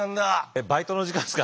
バイトの時間ですか？